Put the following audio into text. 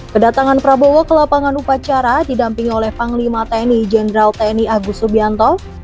kedatangan prabowo ke lapangan upacara didampingi oleh panglima tni jenderal tni agus subianto